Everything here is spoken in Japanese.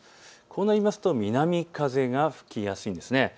こうなると南風が吹きやすいんです。